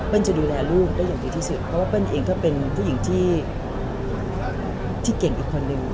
จะดูแลลูกได้อย่างดีที่สุดเพราะว่าเปิ้ลเองก็เป็นผู้หญิงที่เก่งอีกคนนึง